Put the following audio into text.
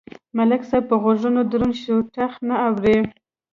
ملک صاحب په غوږونو دروند شوی ټخ نه اوري.